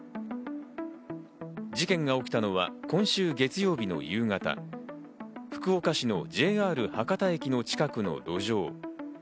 事件が起きたのは今週月曜日の夕方、福岡市のＪＲ博多駅の近くの路上。